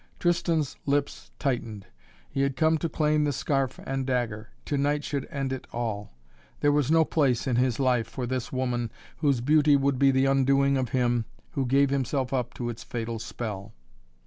Tristan's lips tightened. He had come to claim the scarf and dagger. To night should end it all. There was no place in his life for this woman whose beauty would be the undoing of him who gave himself up to its fatal spell.